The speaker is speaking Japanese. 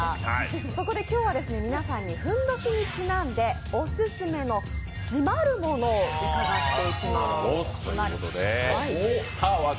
そこで今日は皆さんにふんどしにちなんで、おすすめの締まるものを伺ってきます。